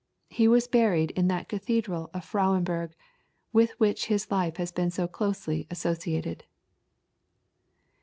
He was buried in that Cathedral of Frauenburg, with which his life had been so closely associated.